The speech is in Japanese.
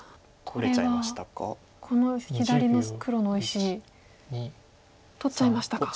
これはこの左の黒の大石取っちゃいましたか。